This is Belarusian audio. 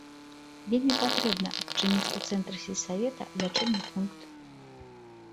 Вельмі патрэбна адчыніць у цэнтры сельсавета лячэбны пункт.